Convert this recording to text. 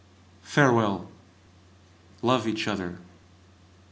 Farewell! Love each other.